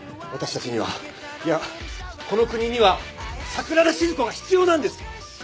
私たちにはいやこの国には桜田しず子が必要なんです！